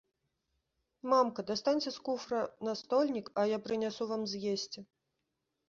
Мамка, дастаньце з куфра настольнік, а я прынясу вам з'есці.